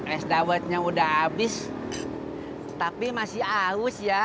es dawetnya udah habis tapi masih aus ya